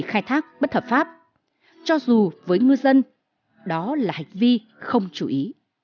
khai thác bất hợp pháp cho dù với ngư dân đó là hành vi không chú ý